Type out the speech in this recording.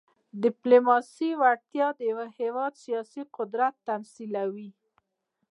د ډيپلوماسۍ وړتیا د یو هېواد سیاسي قوت تمثیلوي.